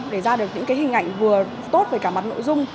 để ra được những cái hình ảnh vừa tốt về cả mặt nội dung